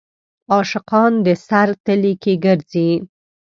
عاشقان د سر تلي کې ګرځي.